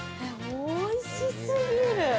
◆おいし過ぎる。